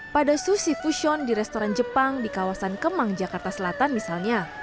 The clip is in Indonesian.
pada sushi fusion di restoran jepang di kawasan kemang jakarta selatan misalnya